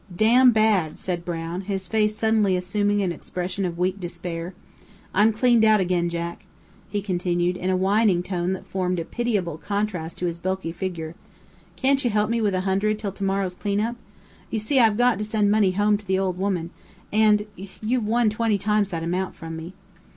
"Damn bad," said Brown, his face suddenly assuming an expression of weak despair; "I'm cleaned out again, Jack," he continued, in a whining tone that formed a pitiable contrast to his bulky figure, "can't you help me with a hundred till tomorrow's cleanup? You see I've got to send money home to the old woman, and you've won twenty times that amount from me."